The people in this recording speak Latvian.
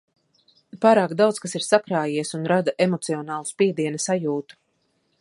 Pārāk daudz kas ir sakrājies un rada emocionālu spiediena sajūtu.